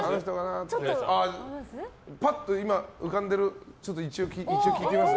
ぱっと浮かんでる人一応聞いてみます？